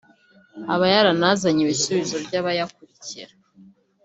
aba yaranazanye ibisubizo by’abayakurikira